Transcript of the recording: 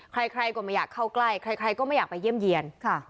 ใครก็ไม่อยากเข้าใกล้ใครก็ไม่อยากไปเยี่ยมเยี่ยน